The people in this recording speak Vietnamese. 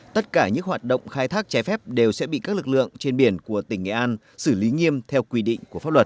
tất cả những hoạt động khai thác trái phép đều sẽ bị các lực lượng trên biển của tỉnh nghệ an xử lý nghiêm theo quy định của pháp luật